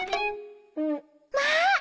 まあ！